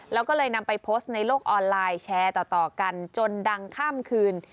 แล้วก็เลยนำไปโพสต์ในโลกออนไลน์แชร์ต่อกันจนดังข้ามคืน